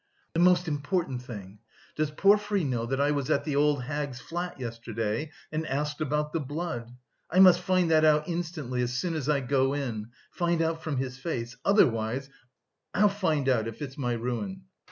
"The most important thing, does Porfiry know that I was at the old hag's flat yesterday... and asked about the blood? I must find that out instantly, as soon as I go in, find out from his face; otherwise... I'll find out, if it's my ruin."